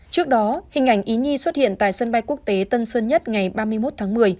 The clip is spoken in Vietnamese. trước đó hình ảnh ý nhi xuất hiện tại sân bay quốc tế tân sơn nhất ngày ba mươi một tháng một mươi